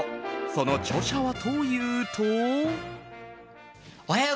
その著者はというと。